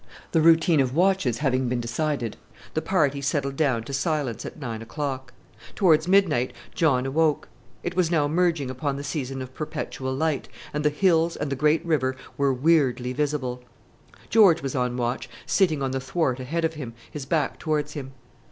The routine of watches having been decided, the party settled down to silence at nine o'clock. Towards midnight John awoke. It was now merging upon the season of perpetual light, and the hills and the great river were weirdly visible. George was on watch, sitting on the thwart ahead of him, his back towards him.